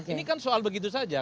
ini kan soal begitu saja